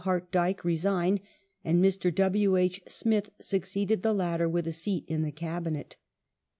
Hart Dyke, resigned, and Mr. W. H. Smith succeeded the latter, with a seat in the Cabinet.